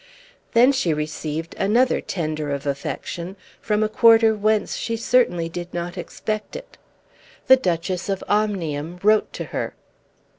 Then she received another tender of affection from a quarter whence she certainly did not expect it. The Duchess of Omnium wrote to her.